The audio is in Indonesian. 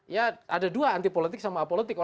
ya ada dua anti politik sama apolitik orang